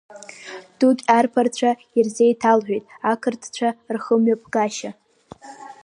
Дукь арԥарацәа ирзеиҭалҳәеит ақырҭцәа рхымҩаԥгашьа.